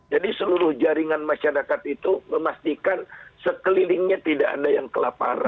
jadi seluruh jaringan masyarakat itu memastikan sekelilingnya tidak ada yang kelaparan